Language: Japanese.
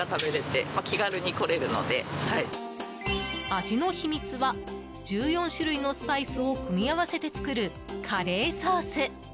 味の秘密は１４種類のスパイスを組み合わせて作るカレーソース。